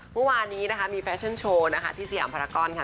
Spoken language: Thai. เมื่อวานนี้นะคะมีแฟชั่นโชว์นะคะที่สยามภารกรค่ะ